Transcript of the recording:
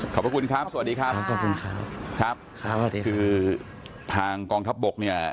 ขอบคุณครับสวัสดีครับขอบคุณครับครับสวัสดีครับคือทางกองทัพบกเนี่ย